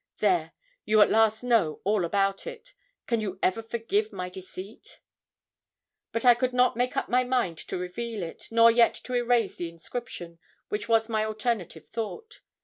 There you at last know all about it. Can you ever forgive my deceit?' But I could not make up my mind to reveal it; nor yet to erase the inscription, which was my alternative thought.